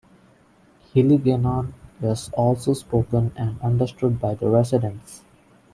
Hiligaynon is also spoken and understood by the residents.